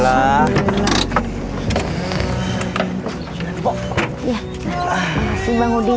makasih bang udin